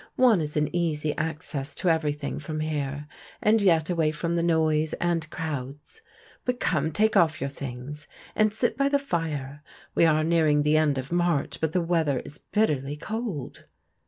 One is in easy access to everything from here, and yet away from the noise and crowds. But come, take oflF your things, and sit by the fire. We are nearing the end of March, but the weather is bitterly cold."